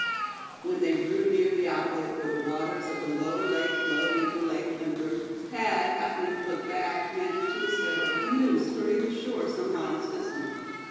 When they drew near the outlet where the waters of the Lower Lake flowed into Lake Winthrop, Thad, happening to look back, managed to discover a canoe skirting the shore some miles distant.